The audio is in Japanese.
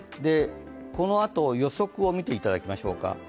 このあと予測を見ていただきましょうか。